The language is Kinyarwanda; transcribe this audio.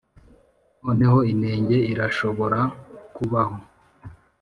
noneho, “inenge” irashobora kubaho.